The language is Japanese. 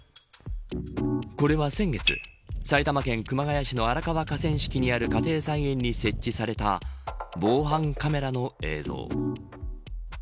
これは先月埼玉県熊谷市の荒川河川敷にある家庭菜園に設置された防犯カメラの映像。